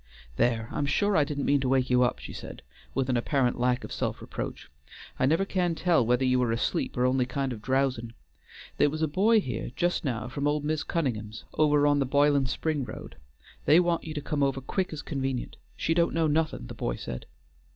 "There, I'm sure I didn't mean to wake you up," she said, with an apparent lack of self reproach. "I never can tell whether you are asleep or only kind of drowsin'. There was a boy here just now from old Mis' Cunningham's over on the b'ilin' spring road. They want you to come over quick as convenient. She don't know nothin', the boy said."